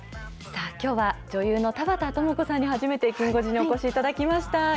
さあ、きょうは女優の田畑智子さんに初めてきん５時にお越しいただきました。